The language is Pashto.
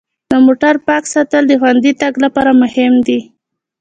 د موټر پاک ساتل د خوندي تګ لپاره مهم دي.